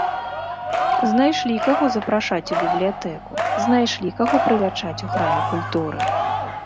Знайшлі каго запрашаць у бібліятэку, знайшлі каго прывячаць у храме культуры!